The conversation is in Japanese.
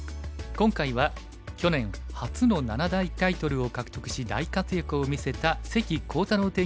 今回は去年初の七大タイトルを獲得し大活躍を見せた関航太郎